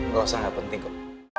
gak usah gak penting kok